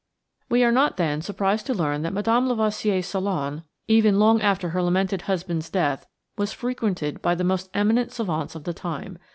We are not, then, surprised to learn that Mme. Lavoisier's salon, even long after her lamented husband's death, was frequented by the most eminent savants of the time.